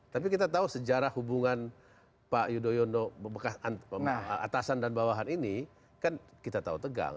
tapi kita tahu sejarah hubungan pak yudhoyono atasan dan bawahan ini kan kita tahu tegal